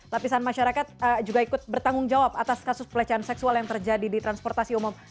lapisan masyarakat juga ikut bertanggung jawab atas kasus pelecehan seksual yang terjadi di transportasi umum